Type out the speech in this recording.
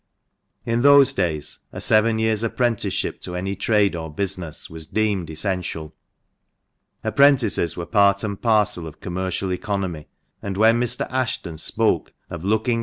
In those days a seven years' apprenticeship to any trade or business was deemed essential ; apprentices were part and parcel of commercial economy, and when Mr, Ashton spoke of "looking 128 THE MANCHESTER MAN.